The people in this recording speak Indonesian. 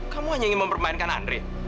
kamu hanya ingin mempermainkan andre